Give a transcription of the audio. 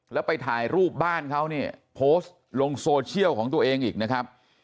แล้วไปถ่ายรูปบ้านเขาเนี่ยโพสต์ลงโซเชียลของตัวเองอีกนะครับ